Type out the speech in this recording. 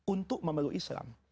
untuk memeluk islam